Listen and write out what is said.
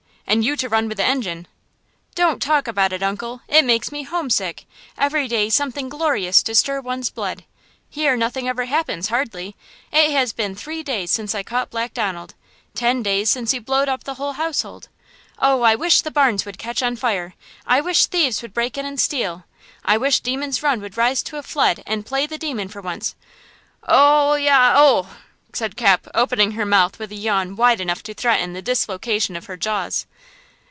and you to run with the engine!" "Don't talk about it, uncle; it makes me homesick–every day something glorious to stir one's blood! Here nothing ever happens, hardly! It has been three days since I caught Black Donald; ten days since you blowed up the whole household! Oh! I wish the barns would catch on fire! I wish thieves would break in and steal. I wish Demon's Run would rise to a flood and play the demon for once! Ohyah!–oo!" said Cap, opening her mouth with a yawn wide enough to threaten the dislocation of her jaws.